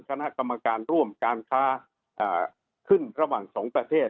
คณะกรรมการร่วมการค้าขึ้นระหว่างสองประเทศ